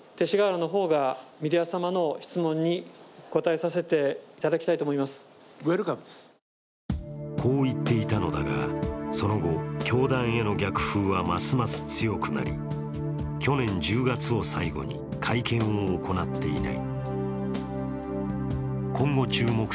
そしてこう言っていたのだが、その後、教団への逆風はますます強くなり去年１０月を最後に会見を行っていない。